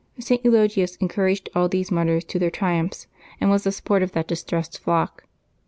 St. Eulogius encouraged all these martyrs to their tri~ umphs, and was tbe support of that distressed flock.